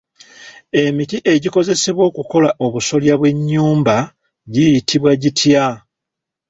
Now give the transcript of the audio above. Emiti egikozesebwa okukola obusolya bw'enyumba giyitibwa gitya?